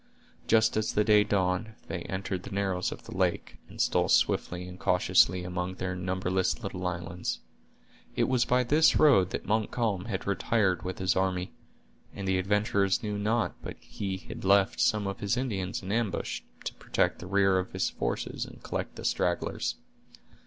Just as the day dawned, they entered the narrows of the lake, and stole swiftly and cautiously among their numberless little islands. It was by this road that Montcalm had retired with his army, and the adventurers knew not but he had left some of his Indians in ambush, to protect the rear of his forces, and collect the stragglers.